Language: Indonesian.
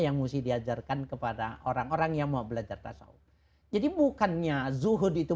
yang mesti diajarkan kepada orang orang yang mau belajar tasaw jadi bukannya zuhud itu